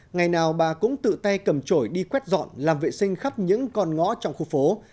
ngày nào bà cũng tự tay cầm trổi đi quét dọn làm vệ sinh khắp những con ngõ trong khu phố